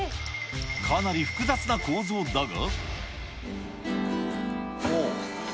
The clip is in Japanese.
かなり複雑な構造だが。